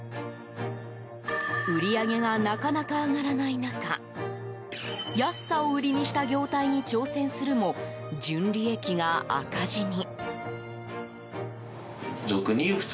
売り上げがなかなか上がらない中安さを売りにした業態に挑戦するも、純利益が赤字に。